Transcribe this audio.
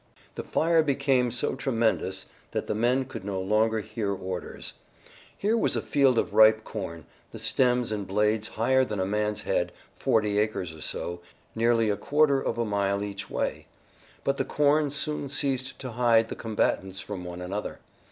The fire became so tremendous that the men could no longer hear orders. Here was a field of ripe corn, the stems and blades higher than a man's head, forty acres or so, nearly a quarter of a mile each way, but the corn soon ceased to hide the combatants from one another.